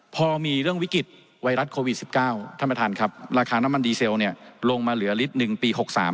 พอมีเรื่องวิกฤตไวรัสโควิด๑๙ท่านประธานครับราคาน้ำมันดีเซลลงมาเหลือลิตร๑ปี๖๓